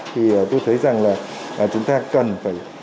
thì tôi thấy rằng là chúng ta cần phải